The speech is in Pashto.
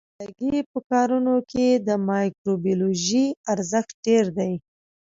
د قابله ګۍ په کارونو کې د مایکروبیولوژي ارزښت ډېر دی.